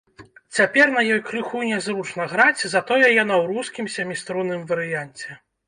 Цяпер на ёй крыху нязручна граць, затое яна ў рускім сяміструнным варыянце.